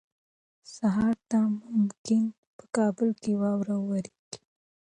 سهار ته ممکن په کابل کې واوره ووریږي.